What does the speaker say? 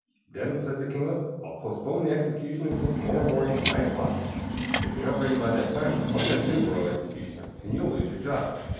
"Then," said the kinglet, "I'll postpone the execution until to morrow morning at nine o'clock. If you're not ready by that time I'll get a new Royal Executioner and you'll lose your job."